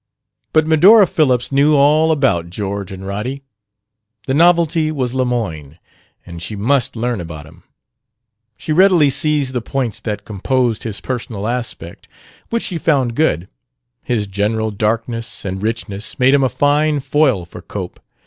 But Medora Phillips knew all about George and Roddy. The novelty was Lemoyne, and she must learn about him. She readily seized the points that composed his personal aspect, which she found good: his general darkness and richness made him a fine foil for Cope.